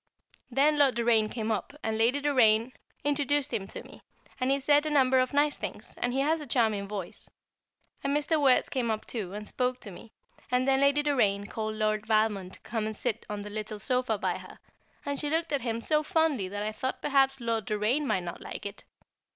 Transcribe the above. Then Lord Doraine came up and Lady Doraine introduced him to me, and he said a number of nice things, and he has a charming voice; and Mr. Wertz came up too, and spoke to me; and then Lady Doraine called Lord Valmond to come and sit on the little sofa by her, and she looked at him so fondly that I thought perhaps Lord Doraine might not like it.